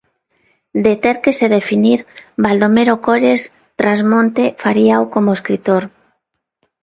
De ter que se definir, Baldomero Cores Trasmonte faríao como escritor.